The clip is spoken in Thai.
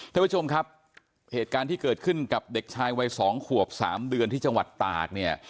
ท่านผู้ชมครับเหตุการณ์ที่เกิดขึ้นกับเด็กชายวัยสองขวบสามเดือนที่จังหวัดตากเนี่ย